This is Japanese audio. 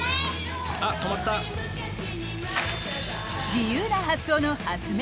自由な発想の発明